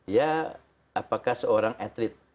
ya apakah seorang atlet